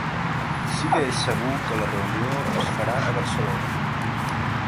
Sí que és segur que la reunió es farà a Barcelona.